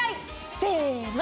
せの！